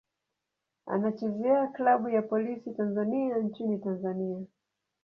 Anachezea klabu ya Polisi Tanzania nchini Tanzania.